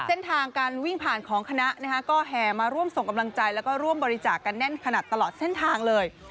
เส้นทางการวิ่งผ่านของคณะก็แห่มาร่วมส่งกำลังใจแล้วก็ร่วมบริจาคกันแน่นขนาดตลอดเส้นทางเลย